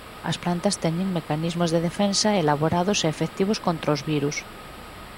As plantas teñen mecanismos de defensa elaborados e efectivos contra os virus.